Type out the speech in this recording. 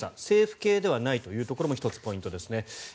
政府系ではないというところも１つ、ポイントですね。